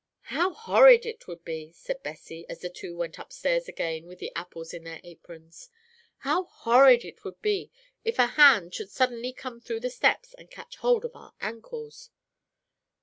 "How horrid it would be," said Bessie, as the two went upstairs again with the apples in their aprons, "how horrid it would be if a hand should suddenly come through the steps and catch hold of our ankles."